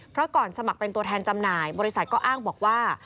เพราะก่อนสมัครเป็นตัวแทนจำหน่ายบริษัทก็อ้างบอกว่า